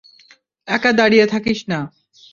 একা দাঁড়িয়ে থাকিস না।